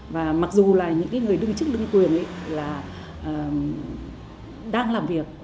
và mặc dù là những người đương chức đương quyền đang làm việc